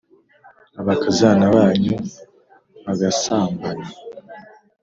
abakazana banyu bagasambana.